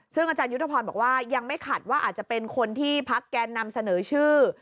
ซึ่งอาจารยุทธพรบอกว่ายังไม่ขัดว่าอาจจะเป็นคนที่พักแกนนำเสนอชื่อ